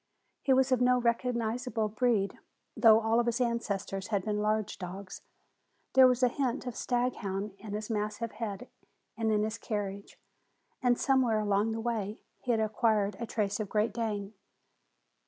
He was of no recognizable breed, though all of his ancestors had been large dogs. There was a hint of staghound in his massive head and in his carriage, and somewhere along the way he had acquired a trace of Great Dane.